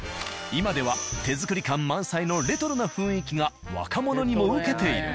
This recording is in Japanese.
今では手作り感満載のレトロな雰囲気が若者にもウケている。